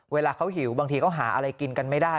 เวลาเขาหิวบางทีเขาหาอะไรกินกันไม่ได้